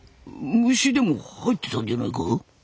虫でも入ってたんじゃないか？